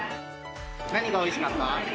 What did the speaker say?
何がおいしかった？